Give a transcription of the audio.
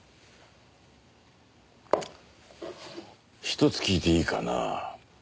ひとつ聞いていいかな。